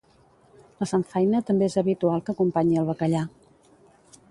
La samfaina també és habitual que acompanyi el bacallà.